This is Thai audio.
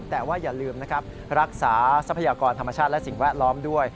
แต่ว่าอย่าลืมนะครับรักษาทรัพยากรธรรมชาติและสิ่งแวดล้อมด้วย